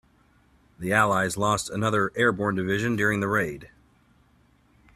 The allies lost another airborne division during the raid.